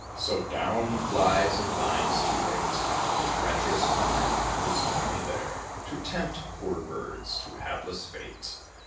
So down he flies, and finds, too late, The treacherous corn is only there To tempt poor birds to hapless fate.